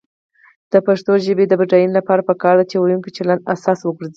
د پښتو ژبې د بډاینې لپاره پکار ده چې ویونکو چلند اساس وګرځي.